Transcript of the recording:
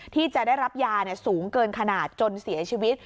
ที่จะได้รับยาสูงเกินขนาดจนเสียชีวิต